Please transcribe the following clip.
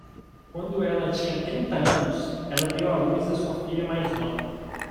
Quando ela tinha trinta anos, ela deu à luz sua filha mais nova.